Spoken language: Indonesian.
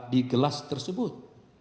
di gelas tersebut